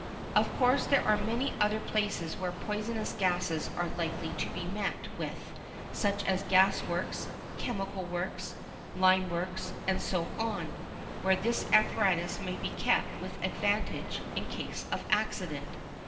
Of course there are many other places where poisonous gases are likely to be met with, such as gas works, chemical works, limeworks, and so on, where this apparatus may be kept with advantage, in case of accident.